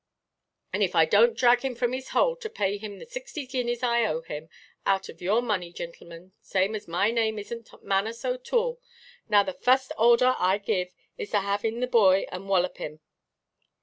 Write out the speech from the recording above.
"An' if I donʼt drag him from his hole, to pay him the sixty guineas I owe him, out of your money, gintlemen, say my name isnʼt Manus OʼToole. Now the fust arder I give, is to have in the bhoy, and wallop him."